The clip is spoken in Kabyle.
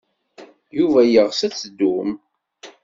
Yuba yeɣs ad teddum.